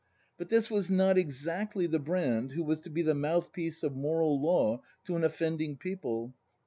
But this was not exactly the Brand who was to be the mouth piece of moral law to an offending people.